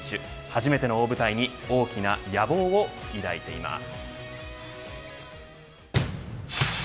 初めての大舞台に大きな野望を抱いています。